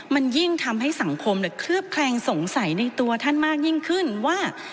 มันยิ่งทำให้สังคมเคลือบแคลงสงสัยในตัวท่านมากยิ่งขึ้นว่า